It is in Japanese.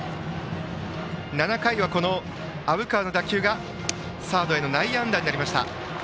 ７回は虻川の打球がサードへの内野安打になりました。